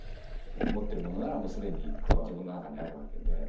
持ってるものならもう既に自分の中にあるわけで。